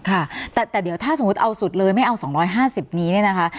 ค่ะแต่เดี๋ยวถ้าสมมุติเอาสุดเลยไม่เอา๒๕๐นี้เนี่ยนะคะ